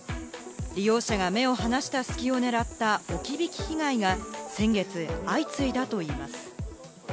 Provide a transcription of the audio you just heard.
利用者が目を離した隙を狙った置き引き被害が先月、相次いだといいます。